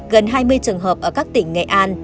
gần hai mươi trường hợp ở các tỉnh nghệ an